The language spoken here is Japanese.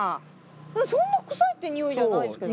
そんな臭いって臭いじゃないですけどね。